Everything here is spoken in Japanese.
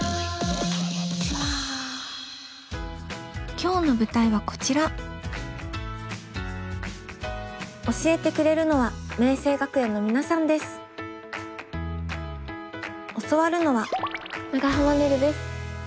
今日の舞台はこちら教えてくれるのは教わるのは長濱ねるです。